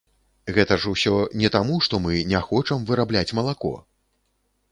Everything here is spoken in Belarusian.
Гэта ж усё не таму, што мы не хочам вырабляць малако!